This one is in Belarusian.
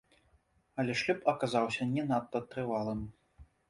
Але шлюб аказаўся не надта трывалым.